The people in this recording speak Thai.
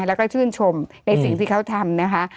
แล้วก็ชื่นชมในสิ่งที่เขาทำนะคะ